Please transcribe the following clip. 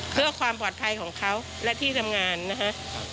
เพื่อความปลอดภัยของเขาและที่ทำงานนะฮะ